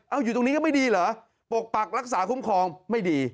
เอาอยู่ตรงนี้ก็ไม่ดีเหรอปกปักรักษาคุ้มครองไม่ดี